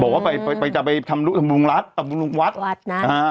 บอกว่าไปไปจะไปทำรุงรัฐอำรุงวัดวัดนะอ่า